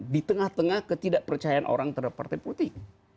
di tengah tengah ketidakpercayaan orang terhadap partai politik